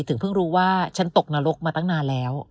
เพิ่งรู้ว่าฉันตกนรกมาตั้งนานแล้ว